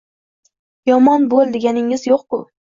Yomon bo‘l deganingiz yo‘q-ku…